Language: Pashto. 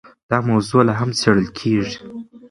دا موضوع لا هم څېړل کېږي.